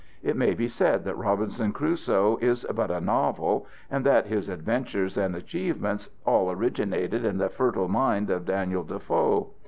It may be said that Robinson Crusoe is but a novel, and that his adventures and achievements all originated in the fertile mind of Daniel Defoe.